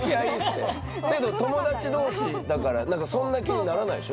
だけど友達同士だからそんな気にならないでしょ？